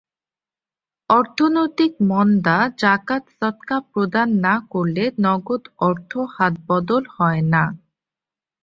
অর্থনৈতিক মন্দাজাকাত সদকা প্রদান না করলে নগদ অর্থ হাতবদল হয় না।